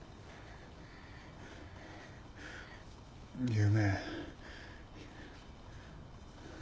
夢。